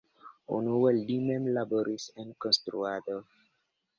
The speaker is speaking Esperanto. Unue li mem laboris en konstruado.